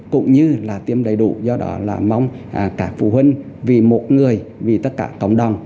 cũng như là tiêm đầy đủ do đó là mong cả phụ huynh vì một người vì tất cả cộng đồng